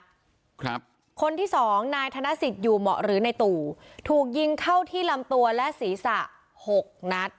ครับคนที่สองนายธนสิทธิ์อยู่เหมาะหรือในตู่ถูกยิงเข้าที่ลำตัวและศีรษะหกนัด